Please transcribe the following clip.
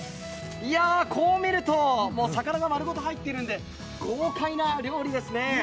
いやぁ、こう見ると魚が丸ごと入っているので豪快な料理ですね。